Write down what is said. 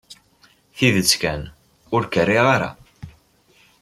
Tidet kan, ur k-riɣ ara.